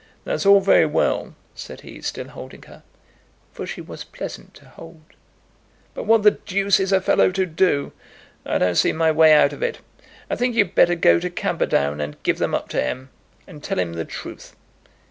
"That's all very well," said he, still holding her, for she was pleasant to hold, "but what the d is a fellow to do? I don't see my way out of it. I think you'd better go to Camperdown, and give them up to him, and tell him the truth."